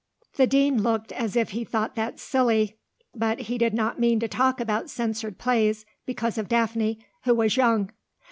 The Dean looked as if he thought that silly. But he did not mean to talk about censored plays, because of Daphne, who was young.